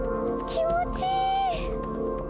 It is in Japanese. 気持ちいい！